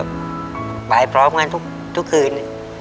บ่ายพร้อมกันทุกทุกคืน